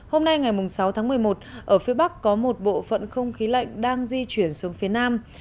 hôm nay ngày sáu tháng một mươi một ở phía bắc có một bộ phận không khí lạnh đang di chuyển xuống phía nam